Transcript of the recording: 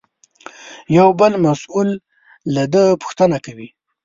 یو بل مسوول له ده پوښتنه کوي.